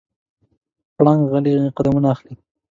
پړانګ غلی قدمونه اخلي.